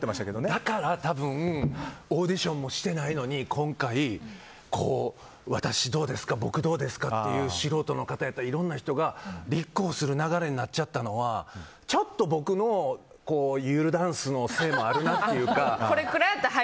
だから、多分オーディションもしてないのに私どうですか、僕どうですかっていう素人の方が立候補する流れになっちゃったのはちょっと僕のゆるダンスのせいもあるかというか。